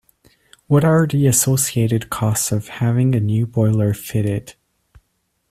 What are the associated costs of having a new boiler fitted?